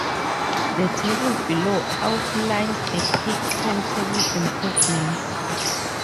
The table below outlines the peak timetable improvements.